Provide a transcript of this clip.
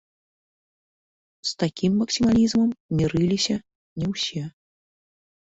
З такім максімалізмам мірыліся не ўсе.